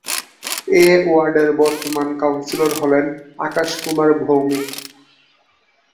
এ ওয়ার্ডের বর্তমান কাউন্সিলর হলেন আকাশ কুমার ভৌমিক।